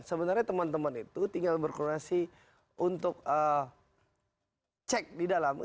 sebenarnya teman teman itu tinggal berkoordinasi untuk cek di dalam